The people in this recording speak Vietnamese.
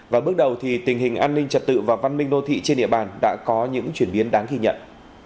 và bước đầu thì tình hình an ninh trật tự và văn minh đô thị trên địa bàn đã có những chuyển biến đáng ghi nhận